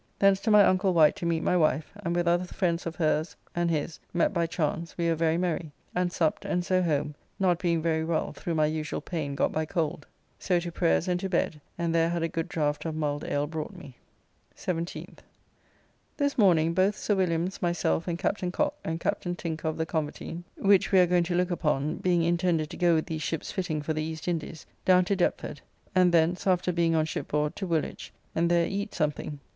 Thence to my uncle Wight to meet my wife, and with other friends of hers and his met by chance we were very merry, and supped, and so home, not being very well through my usual pain got by cold. So to prayers and to bed, and there had a good draft of mulled ale brought me. 17th. This morning, both Sir Williams, myself, and Captain Cocke and Captain Tinker of the Convertine, which we are going to look upon (being intended to go with these ships fitting for the East Indys), down to Deptford; and thence, after being on shipboard, to Woolwich, and there eat something.